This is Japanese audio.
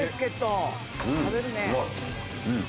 うん。